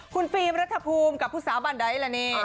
คุณฟิล์มรัฐภูมิกับผู้สาวบันไดล่ะนี่